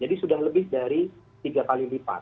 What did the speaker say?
jadi sudah lebih dari tiga kali lipat